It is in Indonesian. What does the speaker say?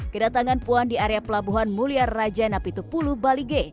kedatangan puan di area pelabuhan mulyar raja enam sepuluh balige